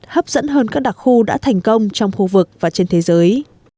hấp dẫn hơn các đặc khu đã thành công trong khu vực và trên thế giới